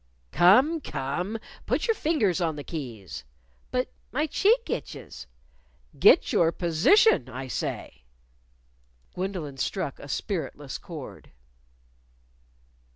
"Come! Come! Put your fingers on the keys." "But my cheek itches." "Get your position, I say." Gwendolyn struck a spiritless chord.